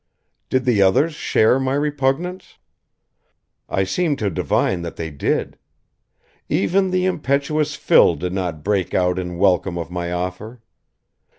Did the others share my repugnance? I seemed to divine that they did. Even the impetuous Phil did not break out in welcome of my offer.